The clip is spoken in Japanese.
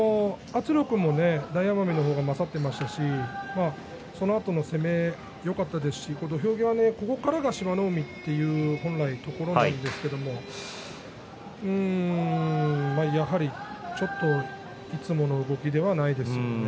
圧力も大奄美が勝っていましたしそのあとの攻めよかったですし、土俵際ここからが志摩ノ海という本来のところなんですがやはりちょっといつもの動きではないですよね。